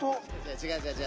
違う違う！